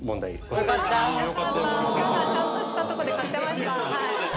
お母さんちゃんとしたとこで買ってました